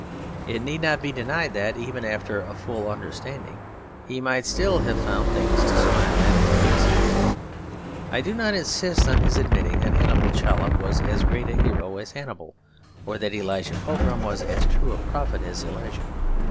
It need not be denied that, even after a full understanding, he might still have found things to smile at or to criticise. I do not insist on his admitting that Hannibal Chollop was as great a hero as Hannibal, or that Elijah Pogram was as true a prophet as Elijah.